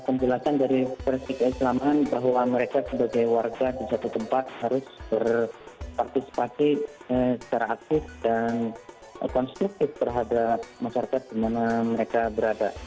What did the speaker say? penjelasan dari forensik keislaman bahwa mereka sebagai warga di satu tempat harus berpartisipasi secara aktif dan konstruktif terhadap masyarakat di mana mereka berada